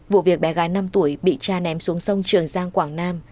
vụ việc bé gái năm tuổi bị cha ném xuống sông trường giang quảng nam